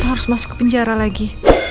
harus masuk ke penjara lagi